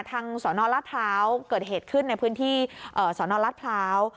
สนรัฐพร้าวเกิดเหตุขึ้นในพื้นที่สนรัฐพร้าว